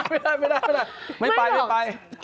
ไม่ได้ไม่ไป